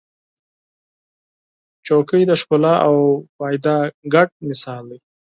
چوکۍ د ښکلا او فایده ګډ مثال دی.